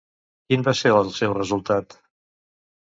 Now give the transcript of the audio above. Quin va ser el seu resultat?